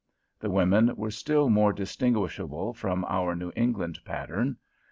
The women were still more distinguishable from our New England pattern.